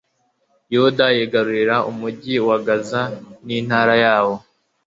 yuda yigarurira umugi wa gaza n'intara yawo